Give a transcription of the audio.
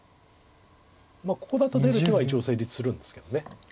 ここだと出る手は一応成立するんですけど。